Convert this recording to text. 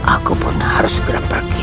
aku harus membantu dia